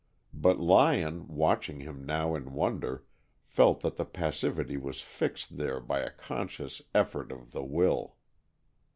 But Lyon, watching him now in wonder, felt that the passivity was fixed there by a conscious effort of the will.